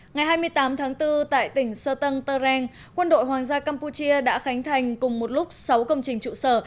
ngày hai mươi tám tháng bốn tại tỉnh sơ tân terreng quân đội hoàng gia campuchia đã khánh thành cùng một lúc sáu công trình trụ sở